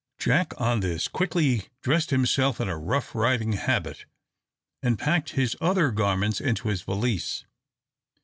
Jack, on this, quickly dressed himself in a rough riding habit, and packed his other garments into his valise.